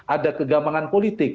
ada kegambangan politik